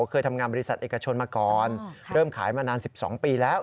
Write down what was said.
เคยทำงานบริษัทเอกชนมาก่อนเริ่มขายมานาน๑๒ปีแล้ว